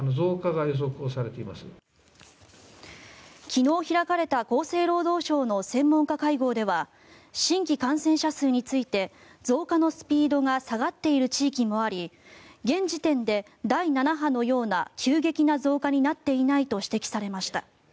昨日開かれた厚生労働省の専門家会合では新規感染者数について増加のスピードが下がっている地域もあり現時点で第７波のような急激な増加になっていないと指摘されました。